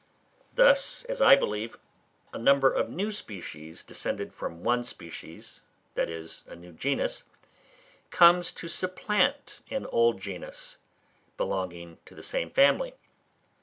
Thus, as I believe, a number of new species descended from one species, that is a new genus, comes to supplant an old genus, belonging to the same family.